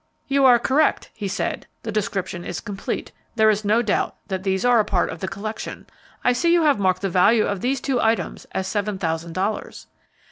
"You are correct," he said; "the description is complete. There is no doubt that these are a part of the collection. I see you have marked the value of these two items as seven thousand dollars."